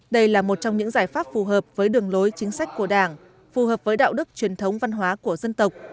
đây là một trong những giải pháp phù hợp với đường lối chính sách của đảng phù hợp với đạo đức truyền thống văn hóa của dân tộc